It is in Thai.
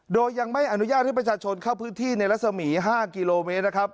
โดยยังไม่อนุญาตให้ประชาชนเข้าพื้นที่ในรัศมี๕กิโลเมตรนะครับ